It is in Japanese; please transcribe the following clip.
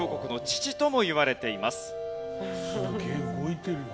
すげえ動いてるよ。